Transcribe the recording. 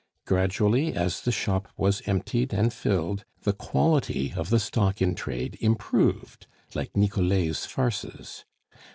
Gradually, as the shop was emptied and filled, the quality of the stock in trade improved, like Nicolet's farces.